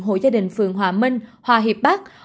hội gia đình phường hòa minh hòa hiệp bắc